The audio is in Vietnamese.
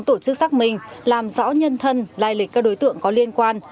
tổ chức xác minh làm rõ nhân thân lai lịch các đối tượng có liên quan